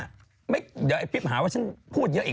เห็นเนี่ยเดี๋ยวไอ้ปริ๊บหาว่าเป็นเรื่องแล้ว